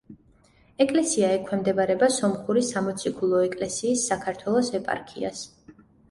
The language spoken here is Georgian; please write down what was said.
ეკლესია ექვემდებარება სომხური სამოციქულო ეკლესიის საქართველოს ეპარქიას.